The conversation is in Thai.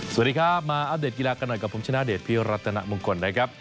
สวัสดีครับมาอัปเดตกีฬากันหน่อยกับผมชนะเดชพิรัตนมงคลนะครับ